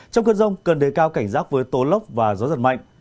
trong cơn rông cơn đầy cao cảnh rác với tố lốc và gió giật mạnh